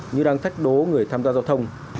như đang thách đố người tham gia giao thông